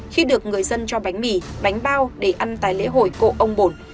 khi được người dân cho bánh mì bánh bao để ăn tại lễ hội cộ ông bồn